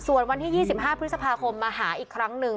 ส่วนวันที่๒๕พฤษภาคมมาหาอีกครั้งหนึ่ง